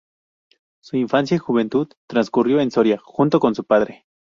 Su infancia y juventud transcurrió en Soria, junto con su padre.